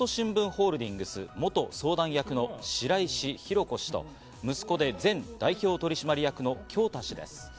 ホールディングス元相談役の白石浩子氏と息子で前代表取締役の京大氏です。